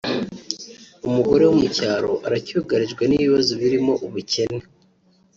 umugore wo mu cyaro aracyugarijwe n’ibibazo birimo ubukene